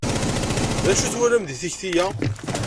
D acu i twalam deg takti-a?